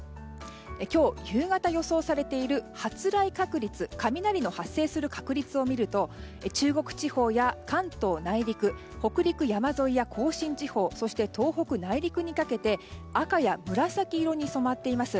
今日夕方予想されている発雷確率雷の発生する確率を見ると中国地方や関東内陸北陸山沿いや甲信地方、東北内陸にかけて赤や紫色に染まっています。